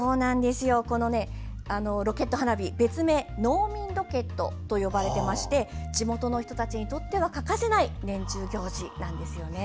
このロケット花火、別名農民ロケットと呼ばれていまして地元の人たちにとっては欠かせない年中行事なんですよね。